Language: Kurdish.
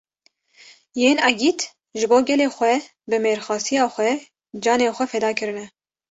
Yên egît ji bo gelê xwe bi mêrxasiya xwe, canê xwe feda kirine